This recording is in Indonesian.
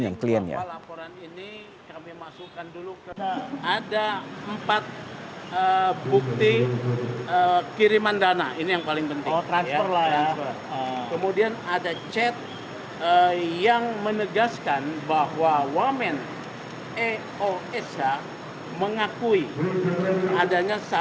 antara asistennya selaku pengacara dengan kliennya